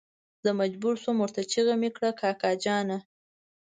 زه مجبور شوم ورته چيغه مې کړه کاکا جانه.